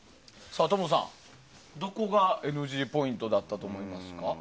トムさん、どこがＮＧポイントだったと思いますか？